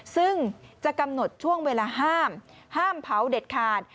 ซึ่งจะกำหนดช่วงเวลาห้ามห้ามเผาเด็ดขาด